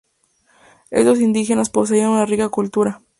Estos indígenas poseían una rica cultura.